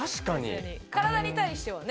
体に対してはね。